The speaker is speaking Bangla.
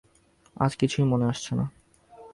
আজ কিছুই মনে আসছে না।